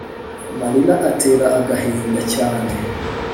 amarira atera agahinda cyane